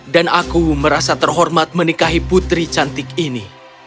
dan aku merasa terhormat menikahi putri cantik ini